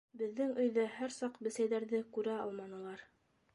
Беҙҙең өйҙә һәр саҡ бесәйҙәрҙе күрә алманылар.